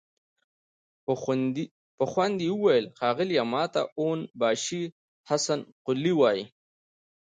په خوند يې وويل: ښاغليه! ماته اون باشي حسن قلي وايه!